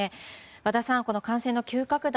和田さん、感染の急拡大